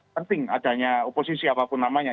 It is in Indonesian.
penting adanya oposisi apapun namanya